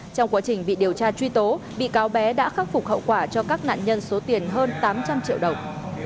trong quá trình bị điều tra truy tố bị cáo bé đã khắc phục hậu quả cho các nạn nhân số tiền hơn tám trăm linh triệu đồng